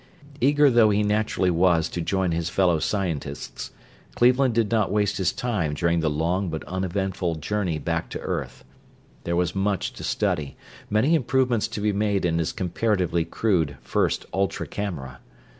Eager though he naturally was to join his fellow scientists, Cleveland did not waste his time during the long, but uneventful journey back to earth. There was much to study, many improvements to be made in his comparatively crude first ultra camera.